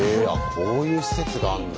こういう施設があるんだ。